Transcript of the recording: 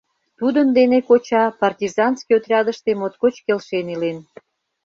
Тудын дене коча партизанский отрядыште моткоч келшен илен.